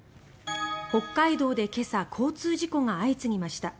北海道で今朝交通事故が相次ぎました。